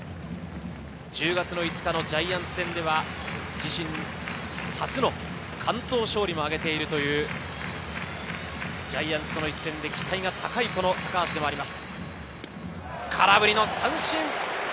１０月の５日のジャイアンツ戦では、自身初の完投勝利も挙げているジャイアンツとの一戦で期待が高い高橋でもあります。